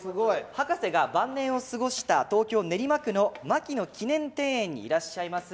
博士が晩年を過ごした東京・練馬区の牧野記念庭園にいらっしゃいます。